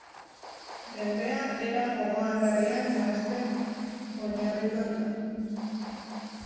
Jendea era gogoangarrian nahasten oinarritzen da.